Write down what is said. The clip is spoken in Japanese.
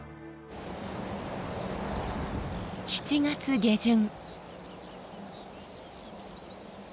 ７月下旬。